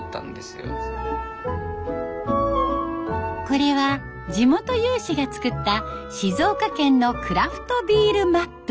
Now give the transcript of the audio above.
これは地元有志が作った静岡県のクラフトビールマップ。